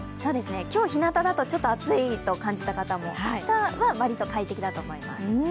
今日ひなただとちょっと暑いと感じた方も明日はわりと快適だと思います。